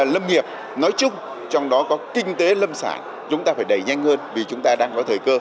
lâm nghiệp nói chung trong đó có kinh tế lâm sản chúng ta phải đẩy nhanh hơn vì chúng ta đang có thời cơ